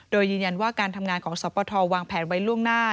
โดยยืนยันว่าการทำงานของสปทวางแผนไว้ล่วงหน้า